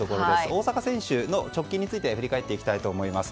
大坂選手の直近について振り返っていきます。